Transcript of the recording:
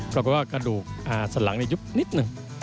เราก็กระดูกสันหลังนิดนิดหนึ่ง